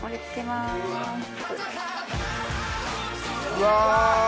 うわ。